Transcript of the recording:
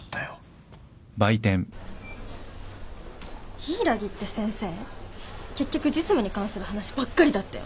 柊木って先生結局実務に関する話ばっかりだったよね。